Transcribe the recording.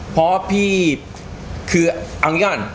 เพราะพี่คือเอางี้ก่อน